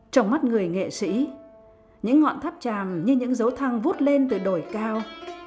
trong mắt người nghệ sĩ những ngọn tháp tràng như những dấu thang vút lên từ đồi cao